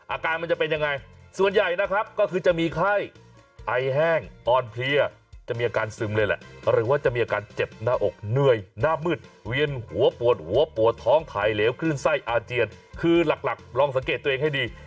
อาการมันจะเป็นยังไงส่วนใหญ่นะครับก็คือจะมีไข้ไอแห้งอ่อนเพลียจะมีอาการซึมเลยแหละหรือว่าจะมีอาการเจ็บหน้าอกเหนื่อยหน้ามืดเวียนหัวปวดหัวปวดท้องถ่ายเหลวคลื่นไส้อาเจียนคือหลักลองสังเกตตัวเองให้ดี